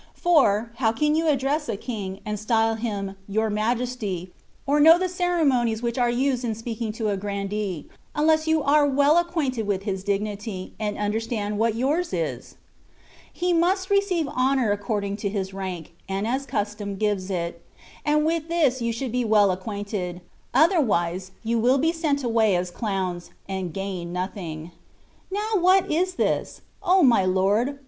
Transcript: For, how can you a<ldress a king, and style him " your Majesty,'' or know the ceremonies which are used in speak ing to a grandee, unless you are well acquainted with his dignity, and understand what yours is ? He must receive honour according to his rank, and as custom gives it ; and with this you should be well acquainted, otherwise you will be sent away as clowns, and gain nothing. Isovr what is this ? my Lord